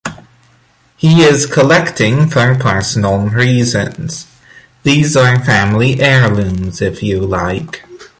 He is collecting for personal reasons; these are family heirlooms if you like.